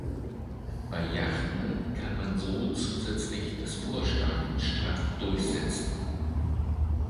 Bei Yachten kann man so zusätzlich das Vorstag straff durchsetzen.